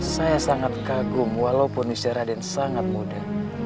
saya sangat kagum walaupun usia raden sangat muda